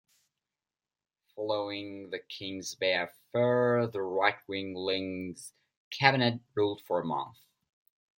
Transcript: Following the Kings Bay Affair the right-winged Lyng's Cabinet ruled for a month.